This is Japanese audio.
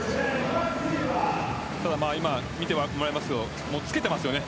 ただ、見て分かりますけどつけていますよね